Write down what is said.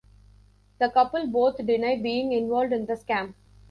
The couple both deny being involved in the scam.